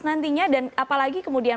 nantinya dan apalagi kemudian